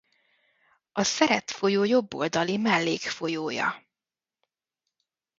A Szeret folyó jobb oldali mellékfolyója.